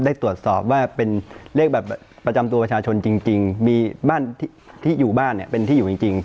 ได้ตรวจสอบว่าเป็นเลขบัตรประจำตัวประชาชนจริงมีบ้านที่อยู่บ้านเนี่ยเป็นที่อยู่จริง